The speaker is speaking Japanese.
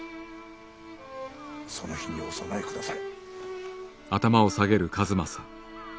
その日にお備えくだされ。